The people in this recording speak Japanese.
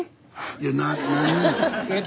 いや何人？